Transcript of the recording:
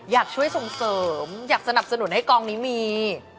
อยากช่วยส่งเสริมอยากสนับสนุนให้กองนี้มี